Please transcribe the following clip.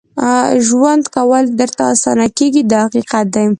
ژوند کول درته اسانه کېږي دا حقیقت دی.